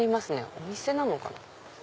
お店なのかな？